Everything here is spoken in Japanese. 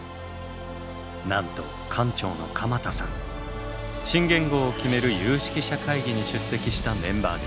なんと館長の鎌田さん新元号を決める有識者会議に出席したメンバーでした。